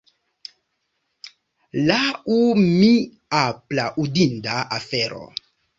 Lau mi aplaudinda afero.